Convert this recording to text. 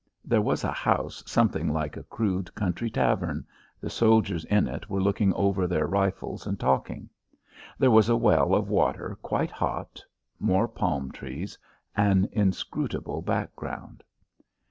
There was a house something like a crude country tavern the soldiers in it were looking over their rifles and talking. There was a well of water quite hot more palm trees an inscrutable background.